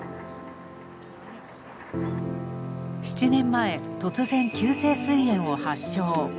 ７年前突然急性すい炎を発症。